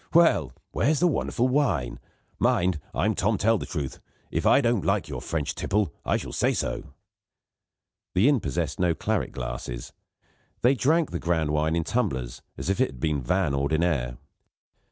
Well? Where's the wonderful wine? Mind! I'm Tom Tell Truth; if I don't like your French tipple, I shall say so." The inn possessed no claret glasses; they drank the grand wine in tumblers as if it had been vin ordinaire. Mr.